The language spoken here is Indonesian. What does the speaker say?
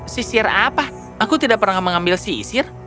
sisir apa aku tidak pernah mengambil sisir